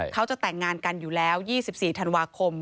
เขาจะแต่งงานกันอยู่แล้ว๒๔ธันวาคม